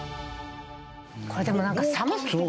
これでもなんか寒そう。